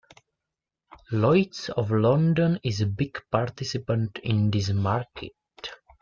Lloyd's of London is a big participant in this market.